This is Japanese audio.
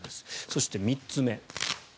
そして、３つ目。